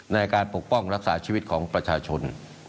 ในการปกป้องรักษาชีวิตของประชาชน